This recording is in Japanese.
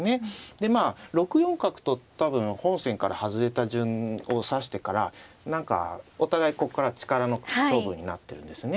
でまあ６四角と多分本線から外れた順を指してから何かお互いここから力の勝負になってるんですね。